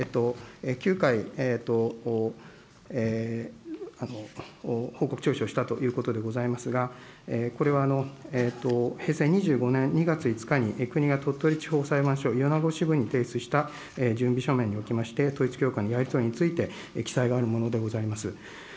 ９回、報告徴収をしたということでございますけれども、これは平成２５年２月５日に国が鳥取地方裁判所米子支部に提出した準備書面におきまして、統一教会のやり取りについて記載があるものでございます。